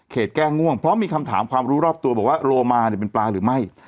แก้ง่วงเพราะมีคำถามความรู้รอบตัวบอกว่าโรมาเนี่ยเป็นปลาหรือไม่